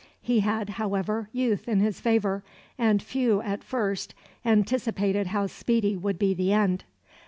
He had, however, youth in his favour, and few at first anticipated how speedy would be the end.